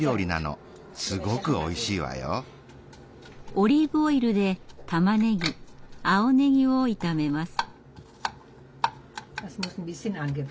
オリーブオイルでたまねぎ青ねぎを炒めます。